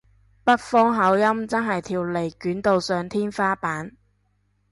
北方口音真係條脷捲到上天花板